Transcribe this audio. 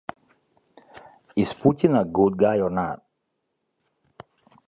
James Logan held a seven-year win streak.